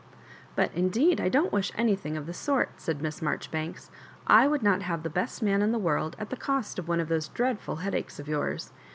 '' '^But indeed I don't wish wything of the sort," said Mias Maijoribanks. ^^I would not have the best man in the world at the cost of one of those dreadful headaches of yours.